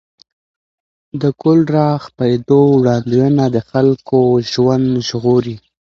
د کولرا خپرېدو وړاندوینه د خلکو ژوند ژغوري.